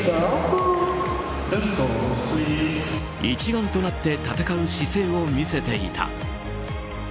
一丸となって戦う姿勢を見せていた。